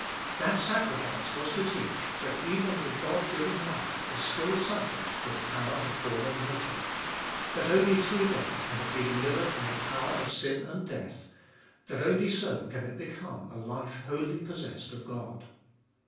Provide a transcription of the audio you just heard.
That sacrifice was to teach that even the God given life is still subject to the fooliest of 2UI 451 power of fallen nature ; that only through death can it be delivered from the power of sin and death ; that only so can it become a life wholly possessed of God.